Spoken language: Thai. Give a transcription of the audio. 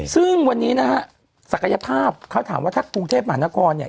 ซึ่งวันนี้นะฮะศักยภาพเขาถามว่าถ้ากรุงเทพมหานครเนี่ย